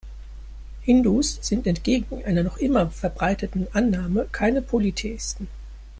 Hindus sind entgegen einer noch immer verbreiteten Annahme keine Polytheisten.